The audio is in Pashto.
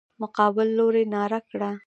مقابل لوري ناره کړه.